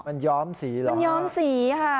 มันย้อมสีหรอค่ะมันย้อมสี